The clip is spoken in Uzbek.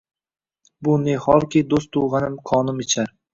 Bu ne holki, doʼstu gʼanim qonim ichar